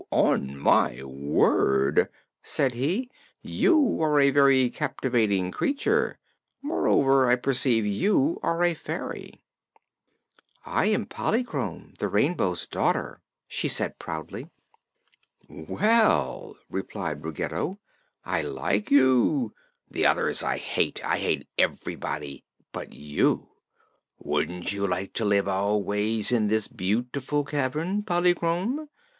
"On my word," said he, "you are a very captivating creature; moreover, I perceive you are a fairy." "I am Polychrome, the Rainbow's Daughter," she said proudly. "Well," replied Ruggedo, "I like you. The others I hate. I hate everybody but you! Wouldn't you like to live always in this beautiful cavern, Polychrome?